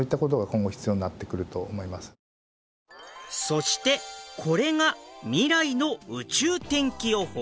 そしてこれが未来の宇宙天気予報。